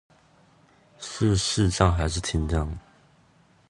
是視障還是聽障